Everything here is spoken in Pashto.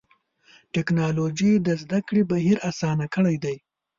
ټکنالوجي د زدهکړې بهیر آسانه کړی دی.